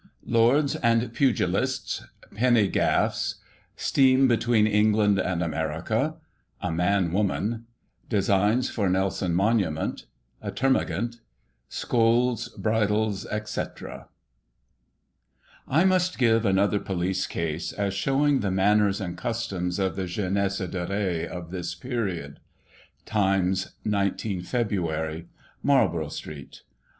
Lords and pugilists — Penny Gaffs "— Steam between England and America — A man woman — Designs for Nelson Monument — ^A termagant — Scold's bridles, &c. I MUST give another police case, as showing the manners and customs of the jeunesse dork of this period. Times, 19 Feb. : Marlborough Street.